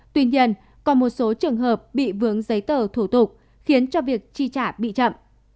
tuy nhiên còn một số trường hợp bị vướng giấy tờ thủ tục khiến cho việc chi trả bị chậm